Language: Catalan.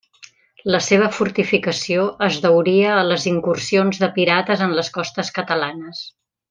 La seva fortificació es deuria a les incursions de pirates en les costes catalanes.